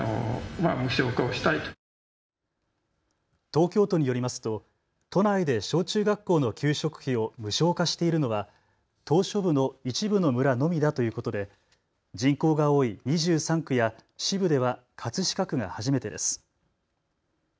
東京都によりますと都内で小中学校の給食費を無償化しているのは島しょ部の一部の村のみだということで人口が多い２３区や市部では葛飾区が初めてです。